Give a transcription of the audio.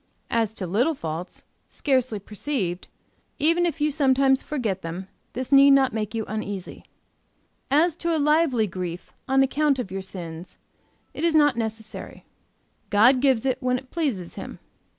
As to little faults, scarcely perceived, even if you sometimes forget them, this need not make you uneasy. "As to lively grief on account of your sins, it is not necessary. God gives it when it pleases Him.